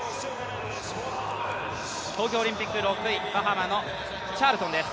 東京オリンピック６位、バハマのチャールトンです。